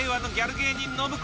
芸人信子